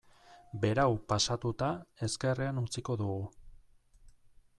Berau pasatuta ezkerrean utziko dugu.